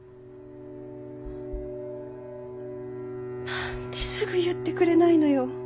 何ですぐ言ってくれないのよ。